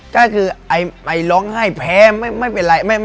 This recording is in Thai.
ก็คือไอร้องไห้แพ้ไม่เป็นไร